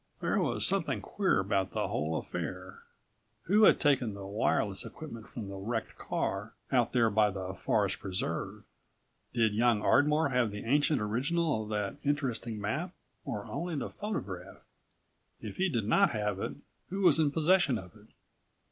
There was something queer about the whole affair. Who had taken the wireless equipment from the wrecked car out there by the Forest Preserve? Did young Ardmore have the ancient original of that interesting map or only the photograph? If he did not have it, who was in possession of it?